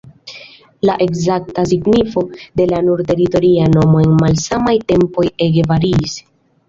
La ekzakta signifo de la nur teritoria nomo en malsamaj tempoj ege variis.